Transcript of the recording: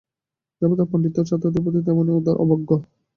যেমন তাঁর পাণ্ডিত্য, ছাত্রদের প্রতি তেমনি তাঁর অবজ্ঞা।